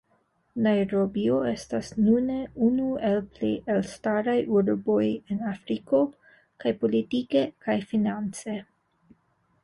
Najrobio estas nune unu el plej elstaraj urboj en Afriko, kaj politike kaj finance.